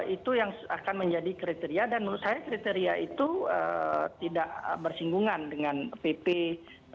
itu yang akan menjadi kriteria dan menurut saya kriteria itu tidak bersinggungan dengan pp sembilan puluh sembilan tahun dua ribu dua belas